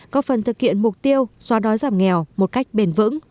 có phần thực hiện mục tiêu xóa đói giảm nghèo một cách bền vững